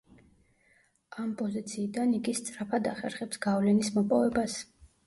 ამ პოზიციიდან იგი სწრაფად ახერხებს გავლენის მოპოვებას.